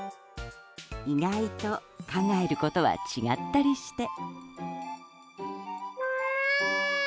意外と考えることは違ったりして。